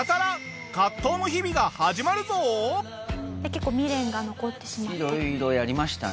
結構未練が残ってしまって。